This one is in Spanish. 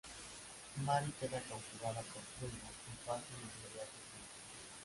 Mary queda cautivada por Bruno y parten en un viaje juntos.